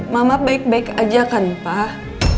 mama baik baik aja kan pak